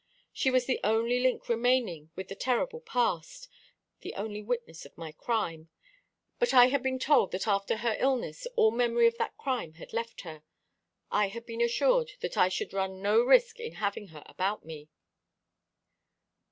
She was the only link remaining with the terrible past, the only witness of my crime; but I had been told that after her illness all memory of that crime had left her. I had been assured that I should run no risk in having her about me."